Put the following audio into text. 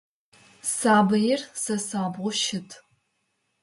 Сабыир сэ сабгъу щыт.